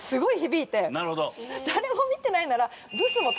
誰も見てないなら。